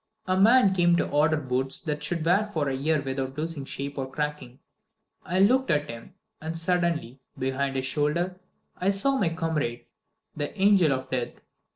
A man came to order boots that should wear for a year without losing shape or cracking. I looked at him, and suddenly, behind his shoulder, I saw my comrade the angel of death.